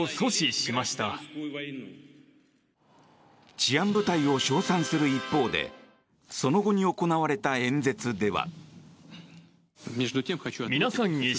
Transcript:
治安部隊を称賛する一方でその後に行われた演説では。